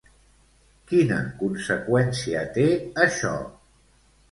Quina conseqüència té això?